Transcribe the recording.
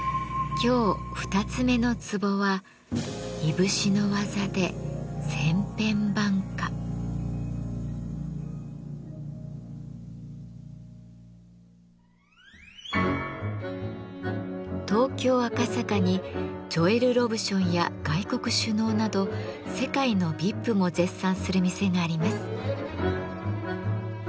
今日二つ目のツボは東京・赤坂にジョエル・ロブションや外国首脳など世界のＶＩＰも絶賛する店があります。